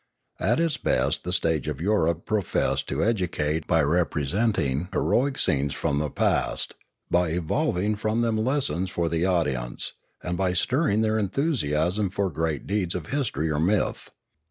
At its best the stage of Europe professed to educate by repre senting heroic scenes from the past, by evolving from them lessons for the audience, and by stirring their enthusiasm for great deeds of history or myth.